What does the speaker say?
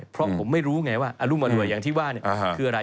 เพราะผมไม่รู้ไงว่าอรุมอร่วยอย่างที่ว่าคืออะไร